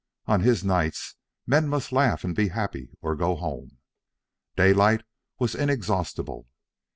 On his nights men must laugh and be happy or go home. Daylight was inexhaustible.